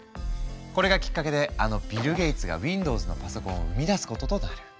これがきっかけであのビル・ゲイツがウィンドウズのパソコンを生み出すこととなる。